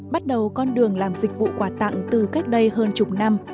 bắt đầu con đường làm dịch vụ quà tặng từ cách đây hơn chục năm